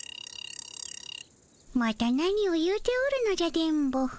また何を言うておるのじゃ電ボ。